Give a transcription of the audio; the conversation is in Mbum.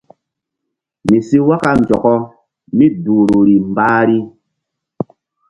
Mi si waka nzɔkɔ mí duhruri mbahri.